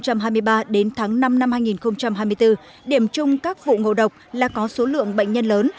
năm hai nghìn hai mươi ba đến tháng năm năm hai nghìn hai mươi bốn điểm chung các vụ ngộ độc là có số lượng bệnh nhân lớn